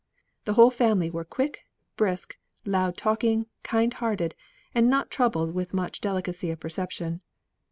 The whole family were quick, brisk, loud talking, kind hearted, and not troubled with much delicacy of perception.